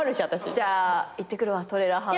「じゃあ行ってくるわトレーラーハウス」